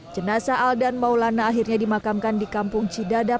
jenasa aldan maulana akhirnya dimakamkan di kampung cidadap